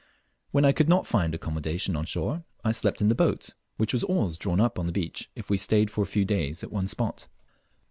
When I could not find accommodation on shore I slept in the boat, which was always drawn up on the beach if we stayed for a few days at one spot.